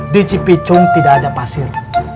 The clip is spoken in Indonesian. di cipicung tidak ada pasir